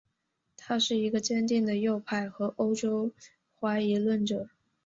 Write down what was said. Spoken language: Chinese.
他是一个坚定的右派和欧洲怀疑论者。